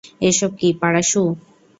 এসব কী, পারাসু?